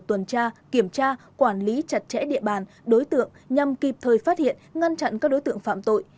tuần tra kiểm tra quản lý chặt chẽ địa bàn đối tượng nhằm kịp thời phát hiện ngăn chặn các đối tượng phạm tội